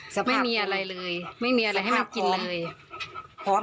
ไม่มีอะไรเลยไม่มีอะไรให้มันกินเลยพร้อม